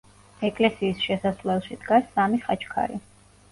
ეკლესიის შესასვლელში დგას სამი ხაჩქარი.